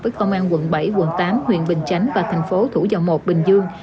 với công an quận bảy quận tám huyện bình chánh và thành phố thủ dầu một bình dương